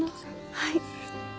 はい。